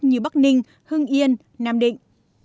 như bắc ninh hưng yên nam định